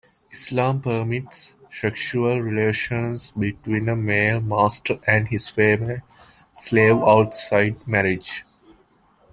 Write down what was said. Islam permits sexual relations between a male master and his female slave outside marriage.